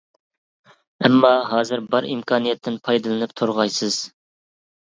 ئەمما ھازىر بار ئىمكانىيەتتىن پايدىلىنىپ تۇرغايسىز.